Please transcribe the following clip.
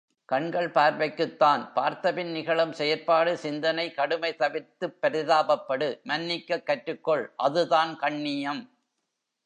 கண்கள் பார்வைக்குத்தான் பார்த்தபின் நிகழும் செயற்பாடு சிந்தனை கடுமை தவிர்த்துப் பரிதாபப்படு மன்னிக்கக் கற்றுக் கொள் அதுதான் கண்ணியம்.